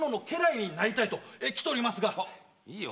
いいよ。